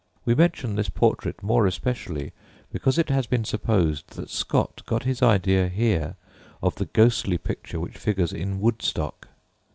We mention this portrait more especially because it has been supposed that Scott got his idea here of the ghostly picture which figures in Woodstock.